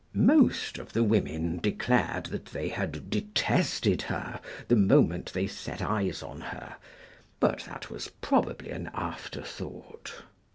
Most of the women declared that they had detested her the moment they set eyes on her; but that was probably an afterthought.